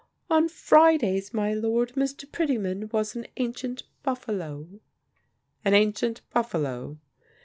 "On Fridays, my lord, Mr. Pretyman was an Ancient Buffalo." "An Ancient Buffalo?"